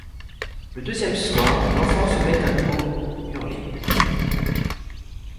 Le deuxième soir, l’enfant se met à nouveau hurler.